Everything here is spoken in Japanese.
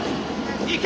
いけ！